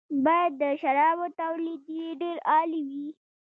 باید د شرابو تولید یې ډېر عالي وي.